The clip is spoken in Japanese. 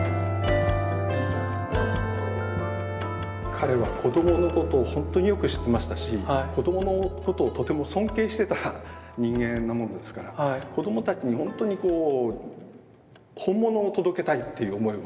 彼は子どものことをほんとによく知ってましたし子どものことをとても尊敬してた人間なもんですから子どもたちにほんとにこう本物を届けたいっていう思いを。